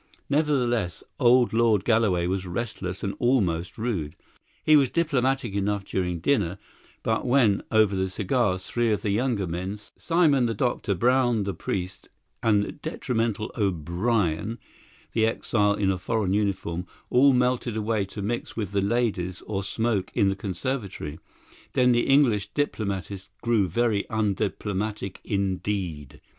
Nevertheless, old Lord Galloway was restless and almost rude. He was diplomatic enough during dinner, but when, over the cigars, three of the younger men Simon the doctor, Brown the priest, and the detrimental O'Brien, the exile in a foreign uniform all melted away to mix with the ladies or smoke in the conservatory, then the English diplomatist grew very undiplomatic indeed.